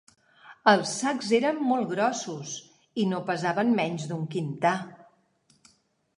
Els sacs eren molt grossos i no pesaven menys d'un quintar